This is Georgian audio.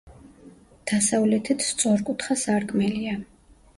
დასავლეთით სწორკუთხა სარკმელია.